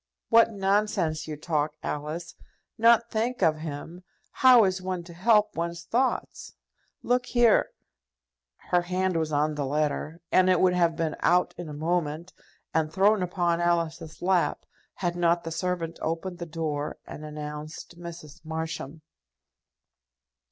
"What nonsense you talk, Alice! Not think of him! How is one to help one's thoughts? Look here." Her hand was on the letter, and it would have been out in a moment, and thrown upon Alice's lap, had not the servant opened the door and announced Mrs. Marsham.